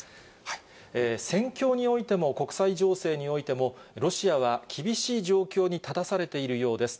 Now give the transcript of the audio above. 戦況においても、国際情勢においても、ロシアは厳しい状況に立たされているようです。